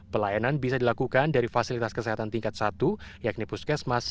pelayanan bisa dilakukan dari fasilitas kesehatan tingkat satu yakni puskesmas